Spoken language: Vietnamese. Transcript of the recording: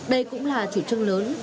đây cũng là chủ trương lớn